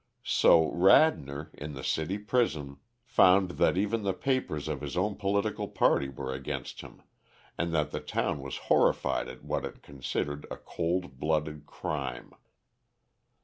So Radnor, in the city prison, found that even the papers of his own political party were against him, and that the town was horrified at what it considered a cold blooded crime.